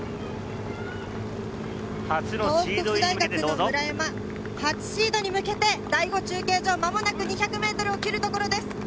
東北福祉大学の村山、初シードに向けて第５中継所、まもなく２００ｍを切るところです。